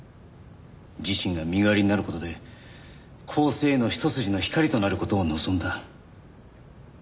自身が身代わりになる事で更生への一筋の光となる事を望んだ。